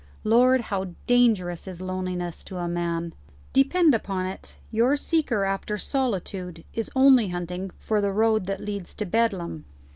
Lord, how dangerous is loneliness to a man! Depend upon it, your seeker after solitude is only hunting for the road that leads to Bedlam.